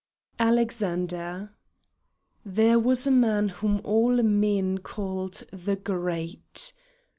ALEXANDER There was a man whom all men called The Great.